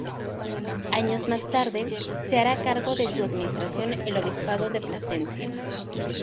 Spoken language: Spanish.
Años más tarde, se hará cargo de su administración el obispado de Plasencia.